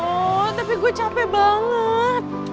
oh tapi gue capek banget